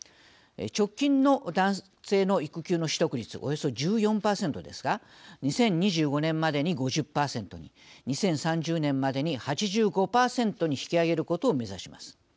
直近の男性の育休の取得率はおよそ１４％ですが２０２５年までに５０％に２０３０年までに８５％に引き上げることを目指します。